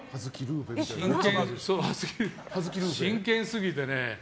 真剣すぎてね